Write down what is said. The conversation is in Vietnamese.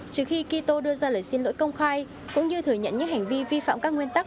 trước khi quito đưa ra lời xin lỗi công khai cũng như thừa nhận những hành vi vi phạm các nguyên tắc